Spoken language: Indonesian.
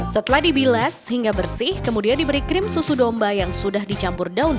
setelah dibilas hingga bersih kemudian diberi krim susu domba yang sudah dicampur daun